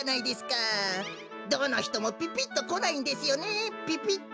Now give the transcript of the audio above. どのひともピピッとこないんですよねピピッと。